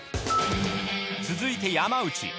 続いて山内。